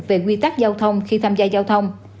về quy tắc giao thông khi tham gia giao thông